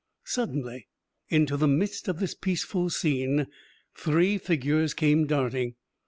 Suddenly, into the midst of this peaceful scene, three figures came darting.